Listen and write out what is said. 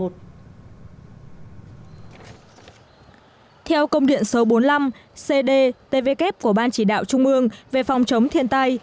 theo công điện số bốn mươi năm cd tvk của ban chỉ đạo trung ương về phòng chống thiên tay